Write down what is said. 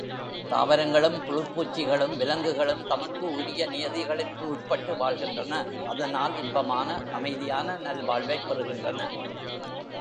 தாவரங்களும், புழுப் பூச்சிகளும், விலங்குகளும் தமக்கு உரிய நியதிகளுக்கு உட்பட்டு வாழ்கின்றன அதனால் இன்பமான, அமைதியான நல்வாழ்வைப் பெறுகின்றன.